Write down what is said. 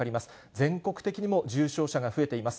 全国的にも重症者が増えています。